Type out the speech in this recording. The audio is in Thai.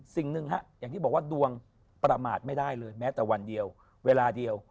สิ่งหนึ่งฮะอย่างที่บอกว่าดวงประมาทไม่ได้เลยแม้แต่วันเดียวเวลาเดียว